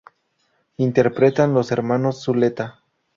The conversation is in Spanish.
Interpretan Los Hermanos Zuleta.